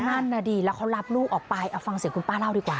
นั่นน่ะดิแล้วเขารับลูกออกไปเอาฟังเสียงคุณป้าเล่าดีกว่า